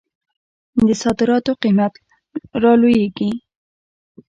د صادراتو قیمت رالویږي.